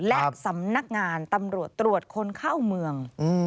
และสำนักงานตำรวจตรวจคนเข้าเมือง